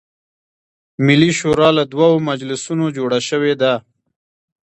ملي شورا له دوه مجلسونو جوړه شوې ده.